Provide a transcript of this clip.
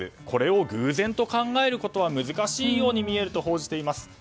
これを偶然と考えるのは難しいと見えると報じています。